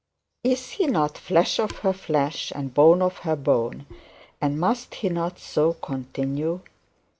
Is he not flesh of her flesh and bone of her bone, and must he not so continue?